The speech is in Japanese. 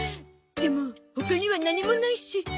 でも他には何もないし。